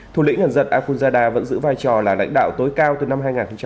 thủ lĩnh ẩn giật akhundzada vẫn giữ vai trò là lãnh đạo tối cao từ năm hai nghìn một mươi sáu